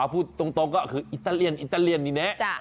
พูดตรงก็คืออิตาเลียนอิตาเลียนนี่แน่